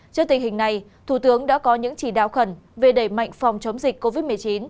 trước tình hình này thủ tướng đã có những chỉ đạo khẩn về đẩy mạnh phòng chống dịch covid một mươi chín